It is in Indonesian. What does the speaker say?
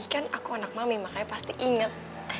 kan aku anak mami makanya pasti inget